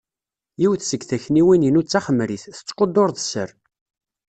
Yiwet seg takniwin-inu d taxemrit, tettqudur d sser.